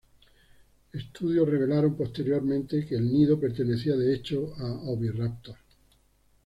Estudios revelaron posteriormente que el nido pertenecía, de hecho, a "Oviraptor".